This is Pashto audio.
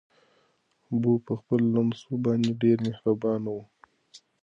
ببو په خپلو لمسو باندې ډېره مهربانه وه.